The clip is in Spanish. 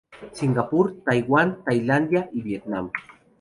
Singapur, Taiwán, Tailandia y Vietnam.